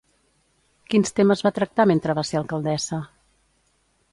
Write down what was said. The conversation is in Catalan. Quins temes va tractar mentre va ser alcaldessa?